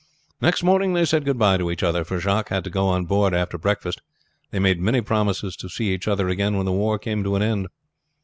Next morning they said good by to each other, for Jacques had to go on board after breakfast. They made many promises to see each other again when the war came to an end.